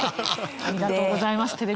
ありがとうございます。